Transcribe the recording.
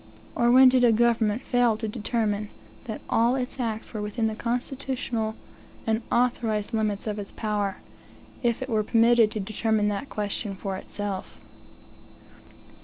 Orwhen did a government fail to determine that all its acts were within the constitutional and authorized limits of its power, if it were permitted to determine that question for itself?